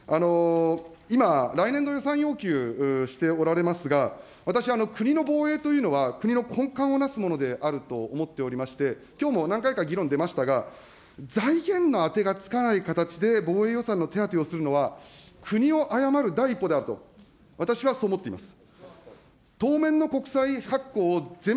今、来年度予算要求、しておられますが、私、国の防衛というのは、国の根幹をなすものであると思っておりまして、きょうも何回か議論出ましたが、財源のあてがつかない形で、防衛予算の手当をするのは、国を誤る第一歩であると、私はそう思っています。